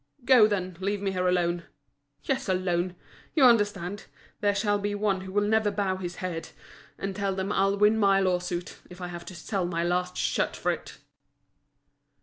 Go, then, leave me here alone. Yes, alone—you understand! There shall be one who will never bow his head. And tell them I'll win my lawsuit, if I have to sell my last shirt for it!"